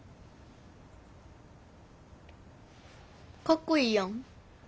かっこいいやん。